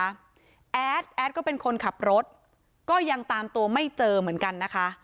แอดแอดก็เป็นคนขับรถก็ยังตามตัวไม่เจอเหมือนกันนะคะ